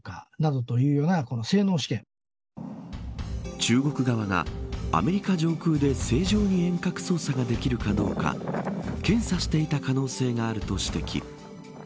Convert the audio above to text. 中国側がアメリカ上空で正常に遠隔操作ができるかどうか検査していた可能性があると指摘。